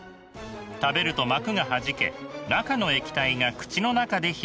食べると膜がはじけ中の液体が口の中で広がります。